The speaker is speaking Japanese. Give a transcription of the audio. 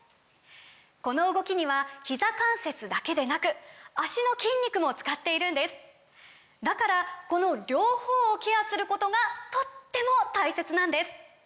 この動きにはひざ関節だけでなく脚の筋肉も使っているんですだからこの両方をケアすることがとっても大切なんです！